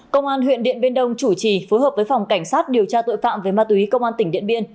công an huyện điện biên đông chủ trì phối hợp với phòng cảnh sát điều tra tội phạm về ma túy công an tỉnh điện biên